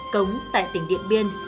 cống tại tỉnh điện biên